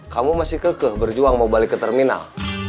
kamu masih kekeh berjuang mau balik ke terminal